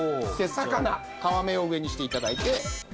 魚皮目を上にして頂いて。